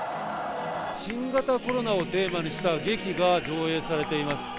新型コロナをテーマにした劇が上演されています。